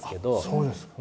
そうですか。